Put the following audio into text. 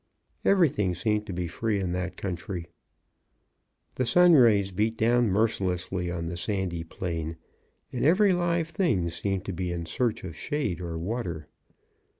Everything seemed to be free in that country. The sunrays beat down mercilessly on the sandy plain, and every live thing seemed to be in search of shade or water.